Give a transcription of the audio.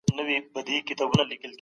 زه په ټولني کي د حق خبره کوم.